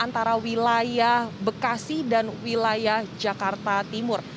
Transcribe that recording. antara wilayah bekasi dan wilayah jakarta timur